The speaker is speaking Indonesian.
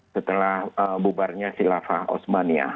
setelah bubarnya khilafah osmania